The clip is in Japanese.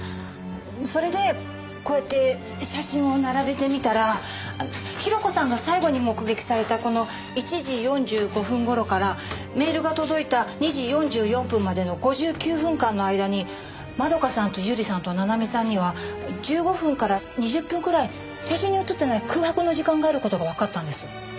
それでこうやって写真を並べてみたら広子さんが最後に目撃されたこの１時４５分頃からメールが届いた２時４４分までの５９分間の間に円香さんと百合さんと七海さんには１５分から２０分くらい写真に写ってない空白の時間がある事がわかったんです。